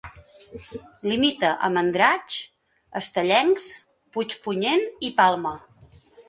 Limita amb Andratx, Estellencs, Puigpunyent i Palma.